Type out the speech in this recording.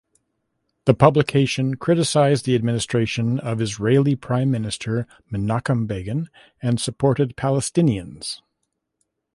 The publication criticized the administration of Israeli Prime Minister Menachem Begin and supported Palestinians.